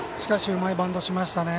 うまいバントしましたね